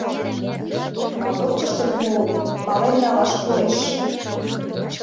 — Кладовкыштет мо уло, пален налаш кӱлеш!